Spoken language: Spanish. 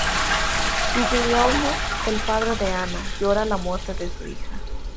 Guglielmo, el padre de Anna, llora la muerte de su hija.